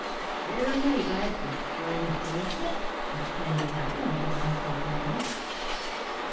"Dear me! that's a strange coincidence," exclaimed the captain, as his eye caught the name.